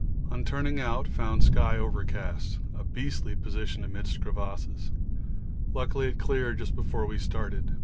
On turning out found sky overcast; a beastly position amidst crevasses. Luckily it cleared just before we started.